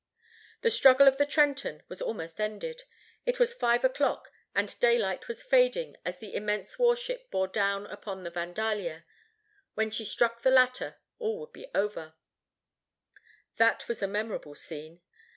The struggle of the Trenton was almost ended. It was five o'clock and daylight was fading as the immense war ship bore down upon the Vandalia. When she struck the latter, all would be over. That was a memorable scene.